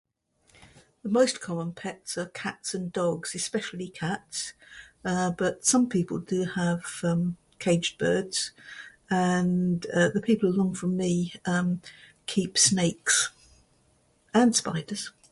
Most common pets are cats and dogs, especially cats. Uh but some people do have caged birds. And um the people whom for me keep snakes and spiders.